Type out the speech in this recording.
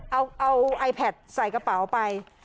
เอาไอแพทใส่กระเป๋าไป